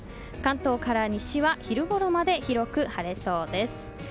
関東から西は昼ごろまで広く晴れそうです。